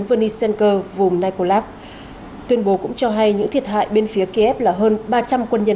vnitsenko vùng nikolaev tuyên bố cũng cho hay những thiệt hại bên phía kiev là hơn ba trăm linh quân nhân